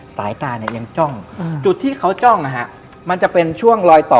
สายตาเนี่ยยังจ้องจุดที่เขาจ้องนะฮะมันจะเป็นช่วงลอยต่อ